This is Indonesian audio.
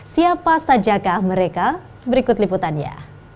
siapa saja kah mereka berikut liputannya